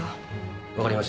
分かりました。